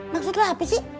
maksud lu apa sih